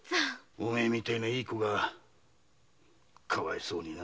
お前みてえないい娘がかわいそうにな。